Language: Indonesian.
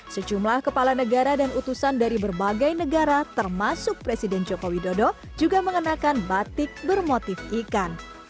sejumlah kepala negara dan utusan dari berbagai negara termasuk presiden joko widodo juga mengenakan batik bermotif ikan